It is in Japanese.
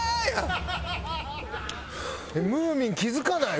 ムーミン気付かない？